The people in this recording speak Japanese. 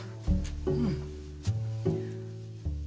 うん。